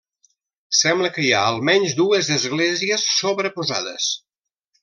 Sembla que hi ha almenys dues esglésies sobreposades.